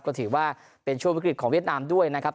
ก็ถือว่าเป็นช่วงวิกฤตของเวียดนามด้วยนะครับ